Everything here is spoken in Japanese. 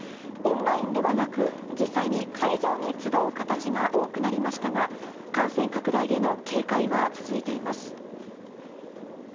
オンラインではなく、実際に会場に集う形が多くなりましたが、感染拡大への警戒は続いています。